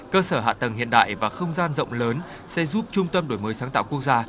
cơ sở hạ tầng hiện đại và không gian rộng lớn sẽ giúp trung tâm đổi mới sáng tạo quốc gia